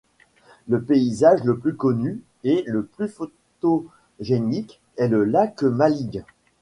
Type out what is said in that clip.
Le paysage le plus connu et le plus photogénique est le lac Maligne.